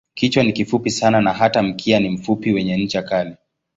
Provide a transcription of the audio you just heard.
Kichwa ni kifupi sana na hata mkia ni mfupi wenye ncha kali.